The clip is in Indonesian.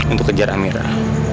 untuk kejar amirah